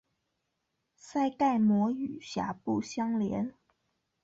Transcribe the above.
腮盖膜与峡部相连。